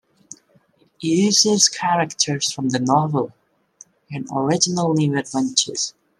It uses the characters from the novel in original new adventures.